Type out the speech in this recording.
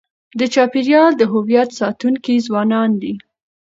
د چاپېریال د هویت ساتونکي ځوانان دي.